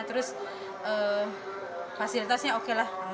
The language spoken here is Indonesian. terus fasilitasnya oke lah